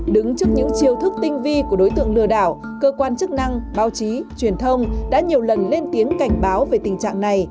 đứng trước những chiêu thức tinh vi của đối tượng lừa đảo cơ quan chức năng báo chí truyền thông đã nhiều lần lên tiếng cảnh báo về tình trạng này